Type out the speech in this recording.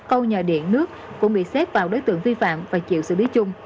câu nhờ điện nước cũng bị xếp vào đối tượng vi phạm và chịu xử lý chung